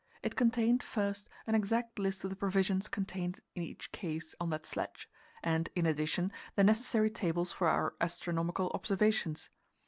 It contained, first, an exact list of the provisions contained in each case on that sledge, and, in addition, the necessary tables for our astronomical observations.